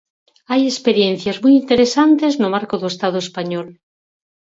Hai experiencias moi interesantes no marco do Estado español.